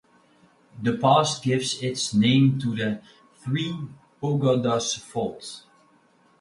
The pass gives its name to the Three Pagodas Fault.